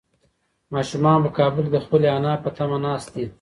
ماشومان په کابل کې د خپلې نیا په تمه ناست دي.